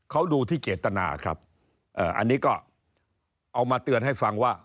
เขาดูที่เจตนาครับอันนี้ก็เอามาเตือนให้ฟังว่า